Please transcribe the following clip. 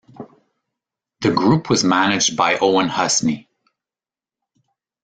The group was managed by Owen Husney.